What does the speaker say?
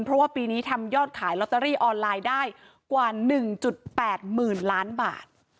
เพราะว่าปีนี้ทำยอดขายลอตเตอรี่ออนไลน์ได้กว่าหนึ่งจุดแปดหมื่นล้านบาท